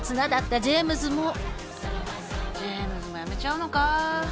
ジェームズも辞めちゃうのか。